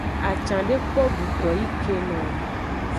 Acan de kpo duto yi keno o.